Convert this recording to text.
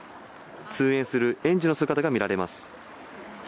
通園する園児の姿が見られます。